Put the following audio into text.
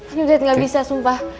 aduh dad gak bisa sumpah